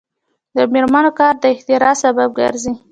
د میرمنو کار د اختراع سبب ګرځي.